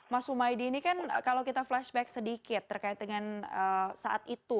mas humaydi ini kan kalau kita flashback sedikit terkait dengan saat itu